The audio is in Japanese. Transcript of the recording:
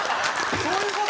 そういう事？